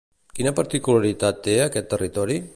Quina particularitat té aquest territori?